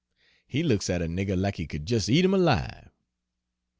He looks at a nigger lack he could jes' eat 'im alive."